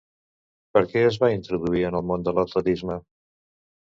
Per què es va introduir en el món de l'atletisme?